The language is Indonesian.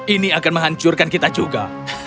ini akan menghancurkan kita juga